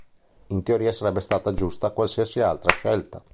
In teoria, sarebbe stata giusta qualsiasi altra scelta.